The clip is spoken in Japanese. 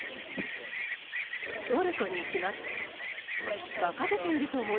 トルコに行きます。